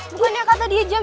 bukannya kata dia jam tujuh